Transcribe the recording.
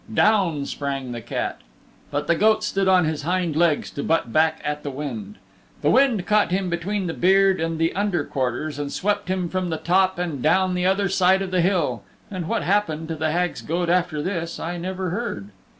Down sprang the cat. But the goat stood on his hind legs to butt back at the wind. The wind caught him between the beard and the under quarters and swept him from the top and down the other side of the hill (and what happened to the Hag's goat after this I never heard).